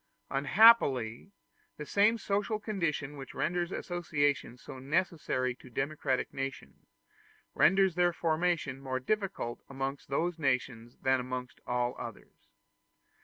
Unhappily, the same social condition which renders associations so necessary to democratic nations, renders their formation more difficult amongst those nations than amongst all others.